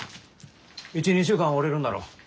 １２週間はおれるんだろ？